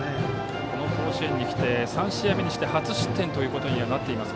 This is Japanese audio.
この甲子園に来て３試合目にして初失点となっています。